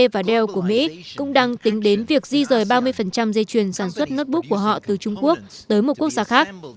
và dell của mỹ cũng đang tính đến việc di rời ba mươi dây chuyển sản xuất notebook của họ từ trung quốc tới một quốc gia khác